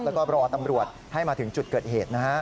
แล้วก็รอตำรวจให้มาถึงจุดเกิดเหตุนะฮะ